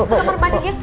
ke kamar mbak andin ya